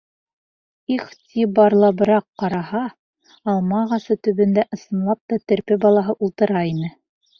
Иғтибарлабыраҡ ҡараһа, алма ағасы төбөндә ысынлап та терпе балаһы ултыра ине.